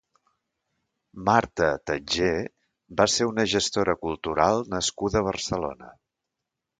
Marta Tatjer va ser una gestora cultural nascuda a Barcelona.